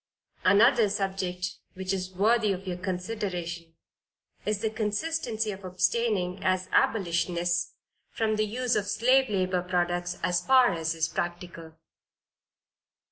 Another subject which is worthy of your consideration is the consistency of abstaining, as Abolitionists, from the use of slave labor products, as far as is practicable.